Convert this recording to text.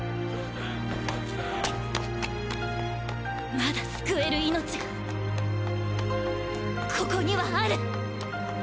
まだ救える命がここにはある！